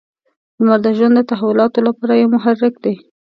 • لمر د ژوند د تحولاتو لپاره یو محرک دی.